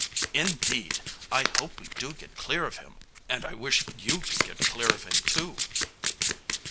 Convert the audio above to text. "Indeed! I hope we do get clear of him and I wish you could get clear of him too."